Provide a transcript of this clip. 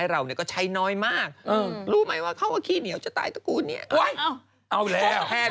เอ้าคนก็ต้องแบบดูแลเงินตัวเองใช้เงินฟุนฟวยได้ยังไงถูกไหม